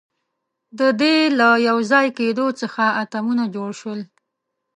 د دې له یوځای کېدو څخه اتمونه جوړ شول.